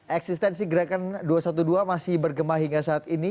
eksistensi gerakan dua ratus dua belas masih bergema hingga saat ini